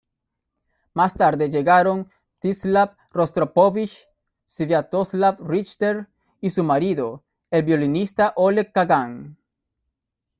Más tarde llegaron Mstislav Rostropóvich, Sviatoslav Richter y su marido, el violinista Oleg Kagan.